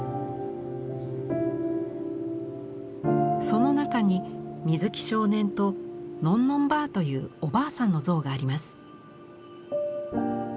その中に水木少年とのんのんばあというおばあさんの像があります。